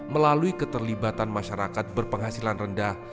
melalui keterlibatan masyarakat berpenghasilan rendah